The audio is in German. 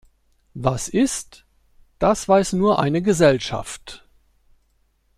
Was ist, das weiß nur eine Gesellschaft.